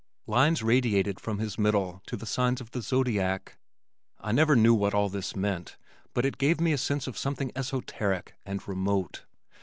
Lines radiated from his middle to the signs of the zodiac. I never knew what all this meant, but it gave me a sense of something esoteric and remote.